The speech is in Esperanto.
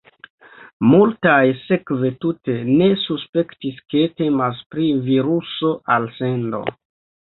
Multaj sekve tute ne suspektis, ke temas pri viruso-alsendo.